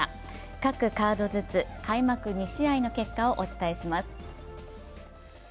各カードずつ開幕２試合の結果をお伝えします。